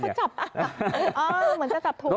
เหมือนจะจับถูก